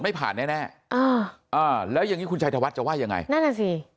ไม่ผ่านแน่แล้วยังนี้คุณชัยทวัฒน์จะว่ายังไงนั่นน่ะสิ